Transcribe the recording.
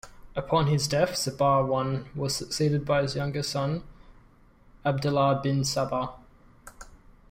Upon his death Sabah I was succeeded by his youngest son, Abdullah bin Sabah.